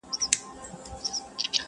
پرېږدی په اور يې اوربل مه ورانوی!